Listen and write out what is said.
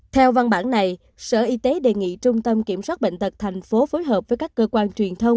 theo văn bản này sở y tế đề nghị trung tâm kiểm soát bệnh tật tp phối hợp với các cơ quan truyền thông